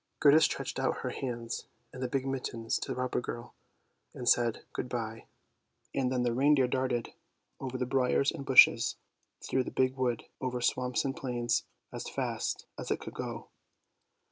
" Gerda stretched out her hands in the big mittens to the robber girl and said good bye; and then the reindeer darted off over briars and bushes, through the big wood, over swamps and plains, as fast as it could go.